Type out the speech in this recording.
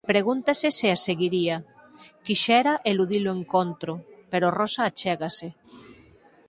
Pregúntase se a seguiría; quixera eludi-lo encontro, pero Rosa achégase.